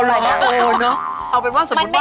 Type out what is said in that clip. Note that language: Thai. ดีมาก